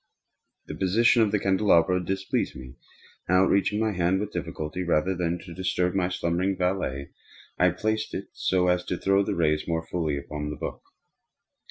The position of the candelabrum displeased me, and outreaching my hand with difficulty, rather than disturb my slumbering valet, I placed it so as to throw its rays more fully upon the book.